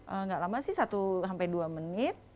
enggak lama sih satu sampai dua menit